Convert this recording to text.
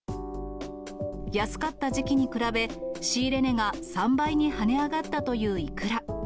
安かった時期に比べ、仕入れ値が３倍にはね上がったというイクラ。